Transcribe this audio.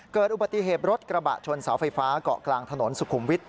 เกิดอุบัติเหตุรถกระบะชนเสาไฟฟ้าเกาะกลางถนนสุขุมวิทย